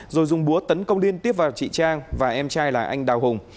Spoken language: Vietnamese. rồi dùng búa tấn công liên tiếp vào chị trang và em trai là anh đào hùng